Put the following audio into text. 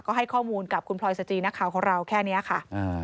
ก็ให้ข้อมูลกับคุณพลอยสจีนักข่าวของเราแค่นี้ค่ะ